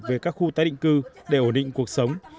về các khu tái định cư để ổn định cuộc sống